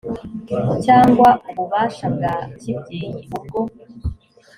cyangwa ububasha bwa kibyeyi ubwo